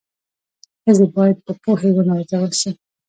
ښځي بايد په پوهي و نازول سي